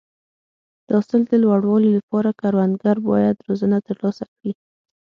د حاصل د لوړوالي لپاره کروندګر باید روزنه ترلاسه کړي.